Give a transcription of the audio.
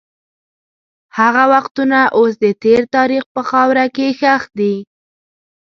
هغه وختونه اوس د تېر تاریخ په خاوره کې ښخ دي.